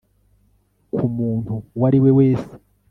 ku muntu uwo ari we wese